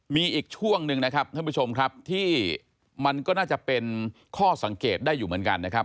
มีอีกช่วงหนึ่งนะครับท่านผู้ชมครับที่มันก็น่าจะเป็นข้อสังเกตได้อยู่เหมือนกันนะครับ